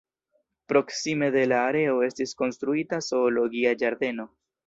Proksime de la areo estis konstruita zoologia ĝardeno.